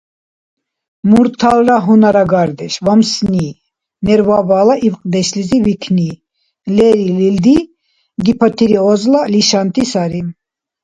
Мурталра гьунарагардеш, вамсни, нервабала ибкьдешлизи викни — лерил илди гипотиреозла лишанти сари.